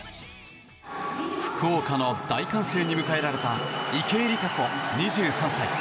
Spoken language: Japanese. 福岡の大歓声に迎えられた池江璃花子、２３歳。